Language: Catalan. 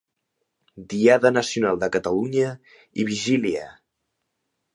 Diada Nacional de Catalunya i vigília.